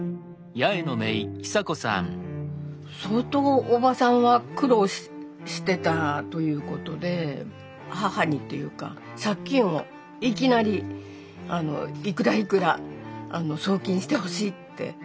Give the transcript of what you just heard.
相当おばさんは苦労してたということで母にというか借金をいきなりいくらいくら送金してほしいって。